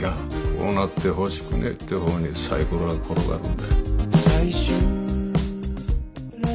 こうなってほしくねえって方にサイコロは転がるんだ。